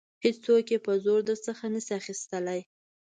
هیڅوک یې په زور درڅخه نشي اخیستلای.